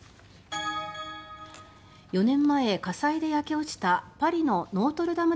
４年前火災で焼け落ちたパリのノートルダム